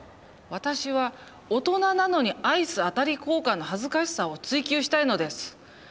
私は大人なのにアイス当たり交換の恥ずかしさを追求したいのです。